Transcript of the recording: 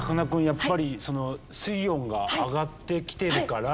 やっぱり水温が上がってきてるから。